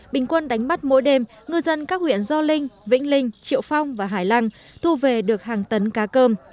bình quân đánh bắt mỗi đêm ngư dân các huyện do linh vĩnh linh triệu phong và hải lăng thu về được hàng tấn cá cơm